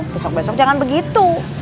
besok besok jangan begitu